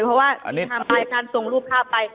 เพราะว่าทำไปการส่งรูปข้าไป